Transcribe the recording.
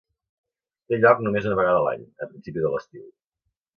Té lloc només una vegada a l'any, a principi de l'estiu.